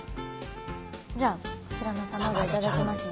じゃあこちらの卵を頂きますね。